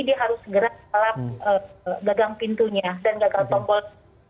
dia harus segera gagang pintunya dan gagal tombol